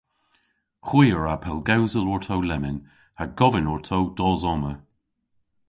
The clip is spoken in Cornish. Hwi a wra pellgewsel orto lemmyn ha govyn orto dos omma.